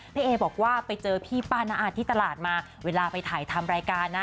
เอบอกว่าไปเจอพี่ป้าน้าอาที่ตลาดมาเวลาไปถ่ายทำรายการนะ